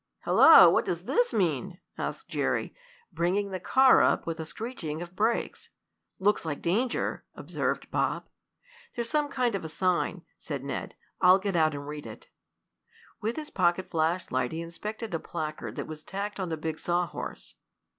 "Hello! What does this mean?" asked Jerry, bringing the car up with a screeching of brakes. "Looks like danger," observed Bob. "There's some kind of a sign," said Ned. "I'll get out and read it." With his pocket flashlight he inspected a placard that was tacked on the big sawhorse.